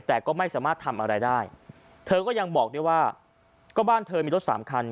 แต่ก็ไม่สามารถทำอะไรได้เธอก็ยังบอกได้ว่าก็บ้านเธอมีรถสามคัน